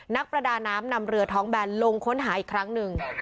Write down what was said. นักประดาน้ำนำเรือท้องแบนลงค้นหาอีกครั้งหนึ่ง